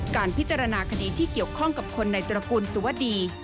การพิจารณาคดีที่เกี่ยวข้องกับคนในตระกูลสุวดี